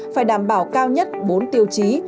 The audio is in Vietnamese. phải đảm bảo cao nhất bốn tiêu chí